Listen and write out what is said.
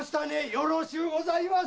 よろしゅうございます！